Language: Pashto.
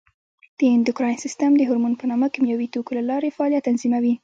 د اندوکراین سیستم د هورمون په نامه کیمیاوي توکو له لارې فعالیت تنظیموي.